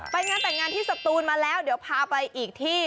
ไปงานแต่งงานที่สตูนมาแล้วเดี๋ยวพาไปอีกที่